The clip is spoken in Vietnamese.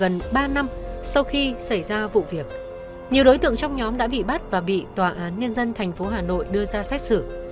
tháng bốn năm hai nghìn một mươi bốn tức là gần ba năm sau khi xảy ra vụ việc nhiều đối tượng trong nhóm đã bị bắt và bị tòa án nhân dân tp hà nội đưa ra xét xử